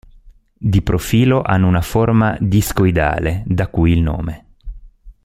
Di profilo hanno forma discoidale, da qui il nome.